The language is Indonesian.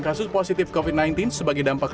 kasus positif covid sembilan belas sebagai dampak